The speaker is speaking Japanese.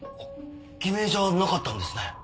偽名じゃなかったんですね。